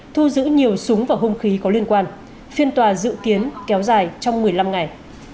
thu giữ nhiều súng và hung khí có liên quan phiên tòa dự kiến kéo dài trong một mươi năm ngày